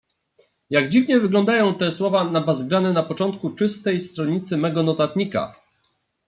"Jak dziwnie wyglądają te słowa nabazgrane na początku czystej stronicy mego notatnika!"